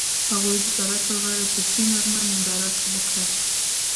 هغوی د سړک پر غاړه د سپین آرمان ننداره وکړه.